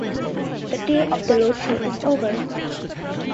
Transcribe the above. The day of the road show is over.